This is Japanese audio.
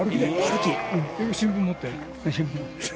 新聞持って？